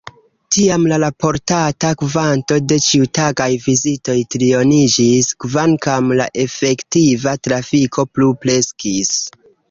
Tiam la raportata kvanto de ĉiutagaj vizitoj trioniĝis, kvankam la efektiva trafiko plu kreskis.